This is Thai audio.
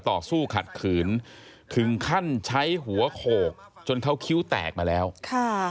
ต่อสู้ขัดขืนถึงขั้นใช้หัวโขกจนเขาคิ้วแตกมาแล้วค่ะ